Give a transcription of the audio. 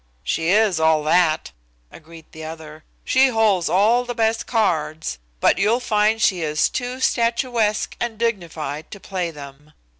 "She is all of that," agreed the other, "She holds all the best cards, but you'll find she is too statuesque and dignified to play them.